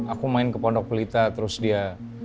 aku main ke pondok pelita terus dia